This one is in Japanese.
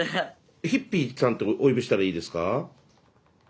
ひっぴーさんってお呼びしたらいいですか？